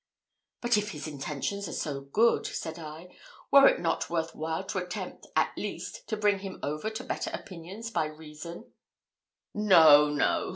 "But if his intentions are so good," said I, "were it not worth while to attempt, at least, to bring him over to better opinions by reason?" "No, no!"